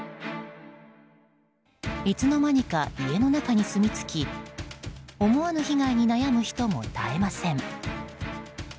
いつの間にか家の中に住み着き思わぬ被害に悩む人も絶えません。